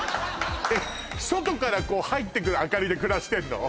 えっ外から入ってくる明かりで暮らしてるの？